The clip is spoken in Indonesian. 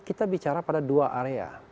kita bicara pada dua area